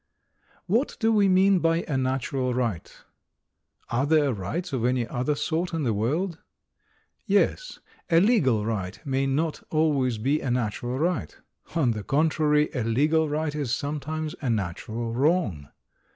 What do we mean by a "natural right?" Are there rights of any other sort in the world? Yes, a legal right may not always be a natural right. On the contrary, a legal right is sometimes a natural wrong.